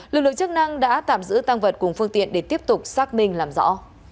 lực lượng chức năng đã tạm giữ tăng vật cùng phương tiện để tiếp tục xác minh làm rõ